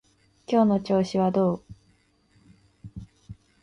今日の調子はどう？